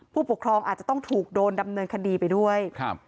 ผู้ปกครองอาจจะต้องถูกโดนดำเนินคดีไปด้วยครับ